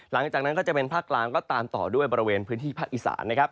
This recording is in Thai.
หลังจากนั้นก็จะเป็นภาคกลางก็ตามต่อด้วยบริเวณพื้นที่ภาคอีสานนะครับ